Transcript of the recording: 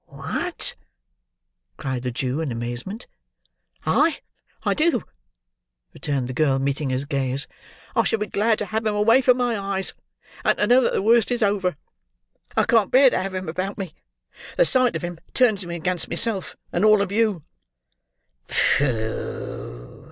"What!" cried the Jew, in amazement. "Ay, I do," returned the girl, meeting his gaze. "I shall be glad to have him away from my eyes, and to know that the worst is over. I can't bear to have him about me. The sight of him turns me against myself, and all of you."